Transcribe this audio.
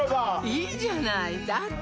いいじゃないだって